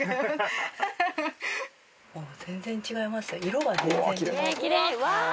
全然違いますよ。